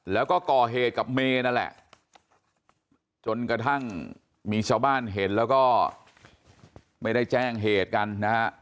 แล้วก็ก่อเหตุกับเมย์นั่นแหละจนกระทั่งมีชาวบ้านเห็นแล้วก็ไม่ได้แจ้งเหตุกันนะฮะ